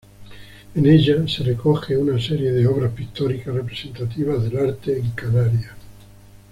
En ella se recoge una serie de obras pictóricas representativas del arte en Canarias.